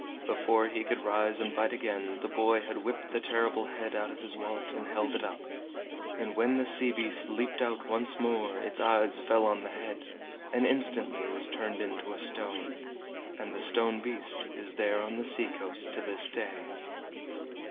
Before he could rise and bite again the boy had whipped the Terrible Head out of his wallet and held it up. And when the sea beast leaped out once more its eyes fell on the head, and instantly it was turned into a stone. And the stone beast is there on the sea coast to this day.